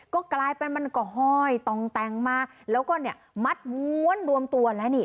ก็กลายเป็นมันก็ห้อยต่องแต่งมาแล้วก็เนี่ยมัดม้วนรวมตัวแล้วนี่